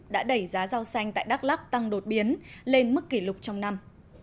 đã đẩy giá rau xanh tại đắk lắc tăng đột biến lên mức kỷ lục trong năm